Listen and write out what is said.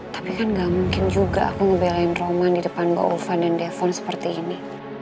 tapi kan gak mungkin juga aku ngebelain roman di depan mbak ulfa dan devan seperti ini